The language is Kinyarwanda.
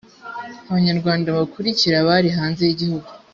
abanyarwanda bakurikira bari hanze y igihugu